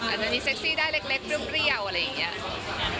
อันนี้เซ็กซี่ได้เล็กเรื่องเปรี้ยวอะไรอย่างนี้